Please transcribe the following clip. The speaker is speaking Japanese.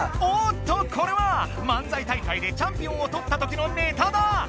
おっとこれはまんざい大会でチャンピオンをとったときのネタだ！